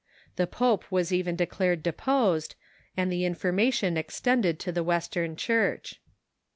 The pope was even declared deposed, and the information extended to the Western Church.